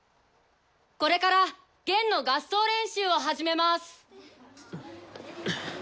これから弦の合奏練習を始めます。